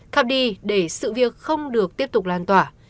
khắp đi để sự việc không được tiếp tục lan tỏa